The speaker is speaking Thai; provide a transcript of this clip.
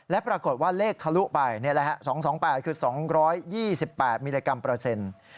และปรากฏว่าเลขทะลุไป๒๒๘คือ๒๒๘มิลลิกรัมเปอร์เซ็นต์